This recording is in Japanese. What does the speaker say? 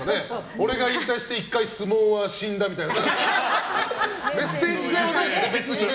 俺が引退して１回相撲は死んだみたいなメッセージ性はないですよね